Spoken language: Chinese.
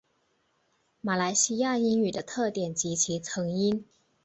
马来西亚英语的特点及其成因